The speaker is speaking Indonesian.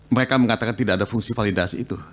mereka mengatakan tidak ada fungsi validasi itu